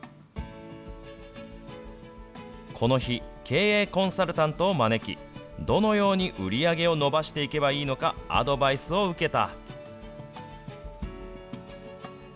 この日、経営コンサルタントを招き、どのように売り上げを伸ばしていけばいいのか、アドバイスを受けた。